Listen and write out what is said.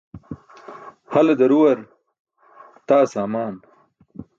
Hale daruwar taa saamaan.